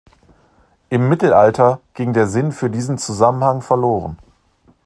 Im Mittelalter ging der Sinn für diesen Zusammenhang verloren.